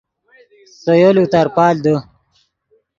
سے یولو ترپال دے